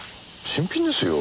新品ですよ。